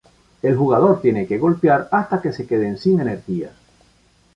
El jugador tiene que golpear hasta que se queden sin energía.